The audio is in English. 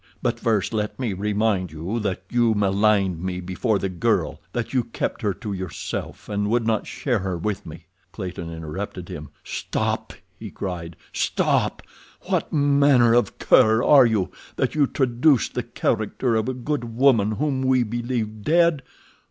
"But first let me remind you that you maligned me before the girl—that you kept her to yourself, and would not share her with me—" Clayton interrupted him. "Stop!" he cried. "Stop! What manner of cur are you that you traduce the character of a good woman whom we believe dead!